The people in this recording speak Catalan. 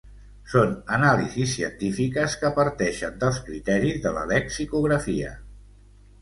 Són anàlisis científiques que parteixen dels criteris de la lexicografia.